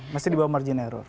masih di bawah margin error